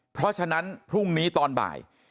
เพราะฉะนั้นพรุ่งนี้ตอนบ่าย